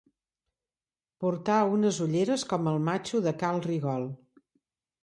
Portar unes ulleres com el matxo de cal Rigol.